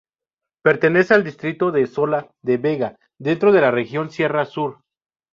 Pertenece al distrito de Sola de Vega, dentro de la región sierra sur.